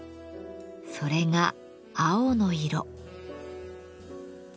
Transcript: それが青の色。